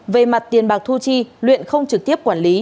về mặt tiền bạc thu chi luyện không trực tiếp quản lý